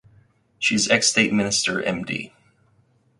She is ex state minister Md.